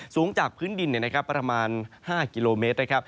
สูงจากพื้นดินเนี่ยนะครับประมาณ๕กิโลเมตรนะครับ